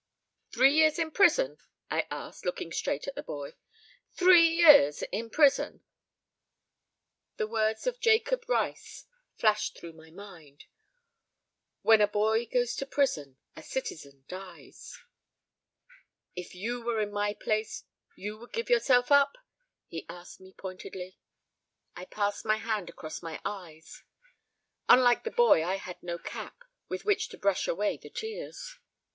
"Three years in prison?" I asked, looking straight at the boy. "Three years in prison!" The words of Jacob Riis flashed through my mind "When a boy goes to prison, a citizen dies." "If you were in my place you would give yourself up?" he asked me pointedly. I passed my hand across my eyes. Unlike the boy I had no cap with which to brush away the tears.